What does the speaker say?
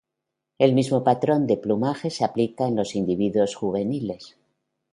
El mismo patrón de plumaje se aplica en los individuos juveniles.